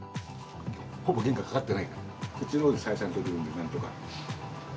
ほぼ原価かかってないから、こっちのほうで採算取れるんで、なんとか。